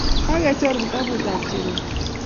Kakechor kitabut ap Cherono